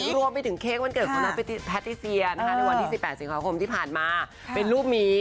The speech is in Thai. รวมไปถึงเค้กวันเกิดของน้องแพทติเซียนะคะในวันที่๑๘สิงหาคมที่ผ่านมาเป็นรูปนี้